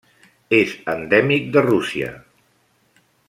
És endèmic de Rússia.